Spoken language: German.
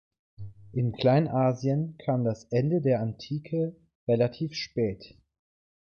In Kleinasien kam das Ende der Antike relativ spät.